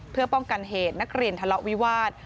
เพื่อป้องกันเหตุนักเรียนทะเลาะวิวาส